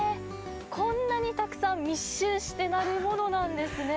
こんなにたくさん密集して、なるものなんですね。